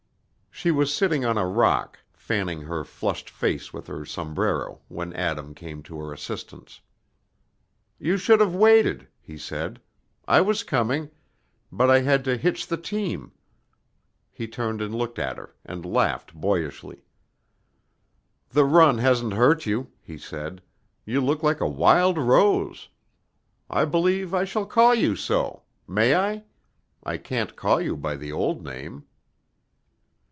She was sitting on a rock, fanning her flushed face with her sombrero, when Adam came to her assistance. "You should have waited," he said. "I was coming, but I had to hitch the team." He turned and looked at her, and laughed boyishly. "The run hasn't hurt you," he said; "you look like a wild rose. I believe I shall call you so; may I? I can't call you by the old name."